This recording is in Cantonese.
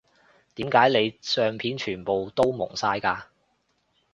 點解你相片全部都矇晒㗎